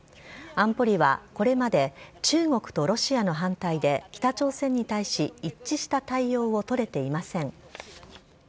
安保理はこれまで、中国とロシアの反対で北朝鮮に対し一致した対応を取れていません。